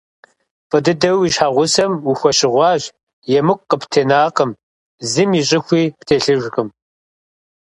ФӀы дыдэуи уи щхьэгъусэм ухуэщыгъуащ, емыкӀу къыптенакъым, зым и щӀыхуи птелъыжкъым.